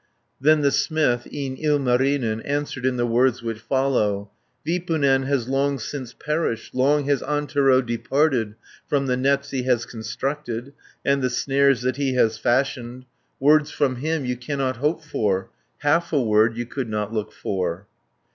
40 Then the smith, e'en Ilmarinen, Answered in the words which follow: "Vipunen has long since perished, Long has Antero departed From the nets he has constructed, And the snares that he has fashioned. Words from him you cannot hope for; Half a word you could not look for."